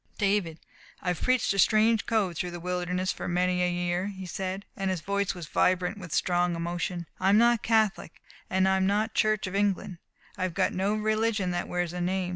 "David, I've preached a strange code through the wilderness for many a long year," he said, and his voice was vibrant with a strong emotion. "I'm not Catholic and I'm not Church of England. I've got no religion that wears a name.